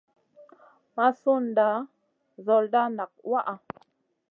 Ma sud nda nzolda nak waʼha.